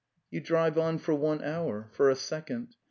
You drive on for one hour, for a second...